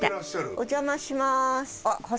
お邪魔します。